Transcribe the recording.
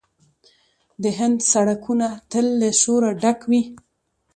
د هند سړکونه تل له شوره ډک وي.